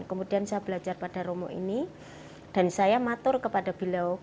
kemudian saya belajar pada romo ini dan saya matur kepada bilau